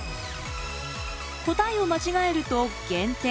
答えを間違えると減点。